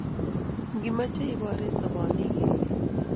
ngimeche iboor eng soboni igilgei